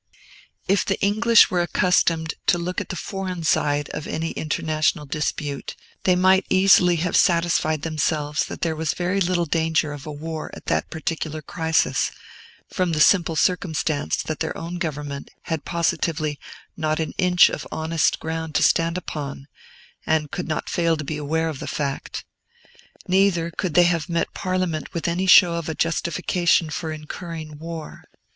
If the English were accustomed to look at the foreign side of any international dispute, they might easily have satisfied themselves that there was very little danger of a war at that particular crisis, from the simple circumstance that their own Government had positively not an inch of honest ground to stand upon, and could not fail to be aware of the fact. Neither could they have met Parliament with any show of a justification for incurring war.